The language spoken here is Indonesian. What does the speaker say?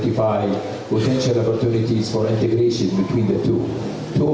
kami ingin mengetahui kemungkinan untuk integrasi antara kedua duanya